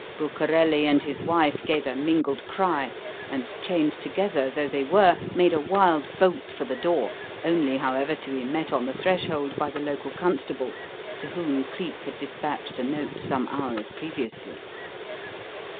Bucarelli and his wife gave a mingled cry, and, chained together though they were, made a wild bolt for the door; only, however, to be met on the threshold by the local constable, to whom Cleek had dispatched a note some hours previously.